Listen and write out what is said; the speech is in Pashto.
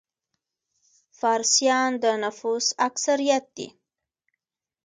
فارسیان د نفوس اکثریت دي.